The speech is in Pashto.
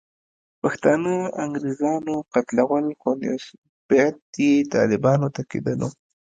پښتانه انګریزانو قتلول، خو نسبیت یې طالبانو ته کېدلو.